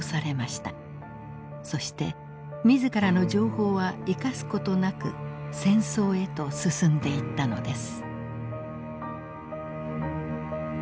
そして自らの情報は生かす事なく戦争へと進んでいったのです。